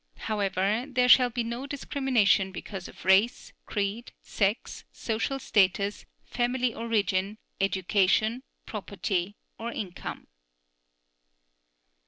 However, there shall be no discrimination because of race, creed, sex, social status, family origin, education, property or income.